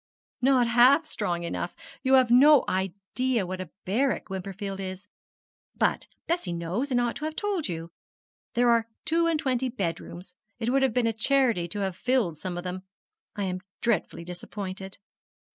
'Not half strong enough! you have no idea what a barrack Wimperfield is but Bessie knows, and ought to have told you. There are two and twenty bedrooms. It would have been a charity to have filled some of them. I am dreadfully disappointed!'